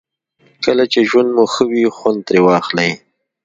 کله چې ژوند مو ښه وي خوند ترې واخلئ.